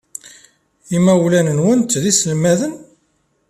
Imawlan-nwent d iselmaden?